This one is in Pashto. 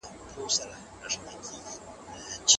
سياست په پوهه او تدبير ولاړ وي.